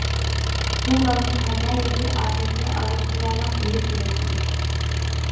بۇ بالىنىڭ ھەممە يېرى ئادەمگە ئارامخۇدالىق ئېلىپ كېلەتتى.